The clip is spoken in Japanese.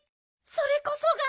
それこそが。